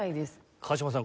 川島さん